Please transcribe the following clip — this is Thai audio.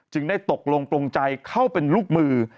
ได้ตกลงปลงใจเข้าเป็นลูกมือ